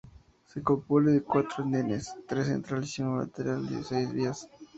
Se compone de cuatro andenes, tres centrales y uno lateral y de seis vías.